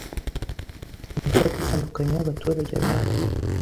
Imipaka itandukanye yabaturage baho